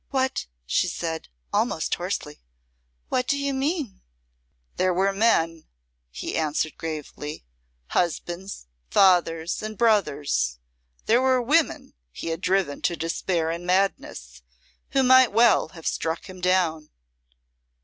"What " she said, almost hoarsely, "what do you mean?" "There were men," he answered, gravely "husbands, fathers, and brothers there were women he had driven to despair and madness, who might well have struck him down."